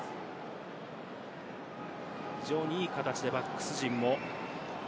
非常にいい形でバックス陣も。